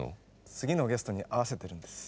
次のゲストに合わせてるんです。